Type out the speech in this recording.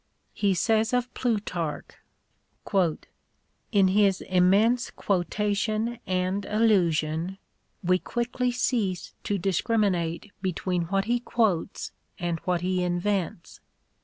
He says of Plutarch : In his immense quotation and allusion we quickly cease to discriminate between what he quotes and what he invents.